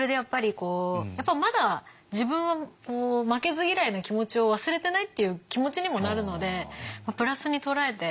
こうまだ自分も負けず嫌いな気持ちを忘れてないっていう気持ちにもなるのでプラスに捉えてましたね